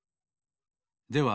では